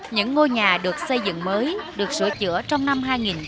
những ngôi nhà được xây dựng mới được sửa chữa trong năm hai nghìn một mươi